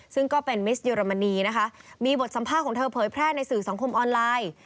ซึ่งก็เป็นมิสเยอรมนีนะคะมีบทสัมภาษณ์ของเธอเผยแพร่ในสื่อสังคมออนไลน์